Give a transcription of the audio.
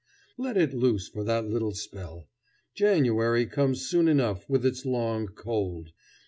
Let it loose for that little spell. January comes soon enough with its long cold.